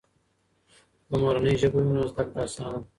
که مورنۍ ژبه وي، نو زده کړه آسانه ده.